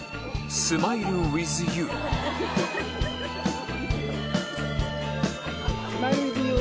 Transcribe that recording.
『スマイル・ウィズ・ユゥ！』